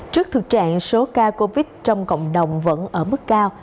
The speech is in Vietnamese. trước thực trạng số ca covid trong cộng đồng vẫn ở mức cao